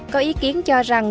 có ý kiến cho rằng